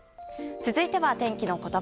続いては天気のことば。